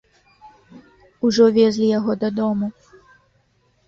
Ужо везлі яго дадому.